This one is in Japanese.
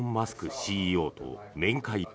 ＣＥＯと面会。